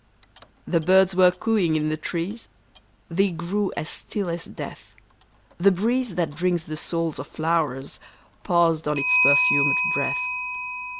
The birds were cooing in the trees, They grew as still as death ; The breeze that drinks the souls of flow'rs Paused on its perfumed breath.